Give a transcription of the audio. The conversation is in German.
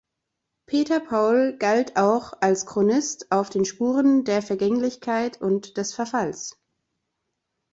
Peter Paul galt auch als Chronist auf den Spuren der Vergänglichkeit und des Verfalls.